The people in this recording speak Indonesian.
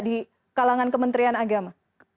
di kalangan kementerian agama